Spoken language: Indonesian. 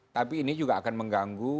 tapi ini juga akan mengganggu